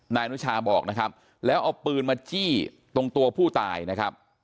นายอนุชาบอกนะครับแล้วเอาปืนมาจี้ตรงตัวผู้ตายนะครับ